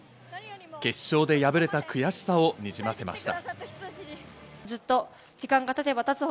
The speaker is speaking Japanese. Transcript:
決勝で敗れた悔しさをにじませました。